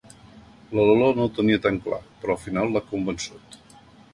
La Lola no ho tenia tan clar, però al final l'ha convençut.